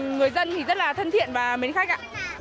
người dân thì rất là thân thiện và mến khách ạ